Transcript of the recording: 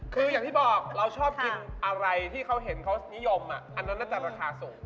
คืออย่างที่บอกเราชอบกินอะไรที่เขาเห็นเขานิยมอันนั้นน่าจะราคาสูง